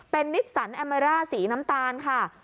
เป็นนิสสันแอเมร่าสีน้ำตาลค่ะ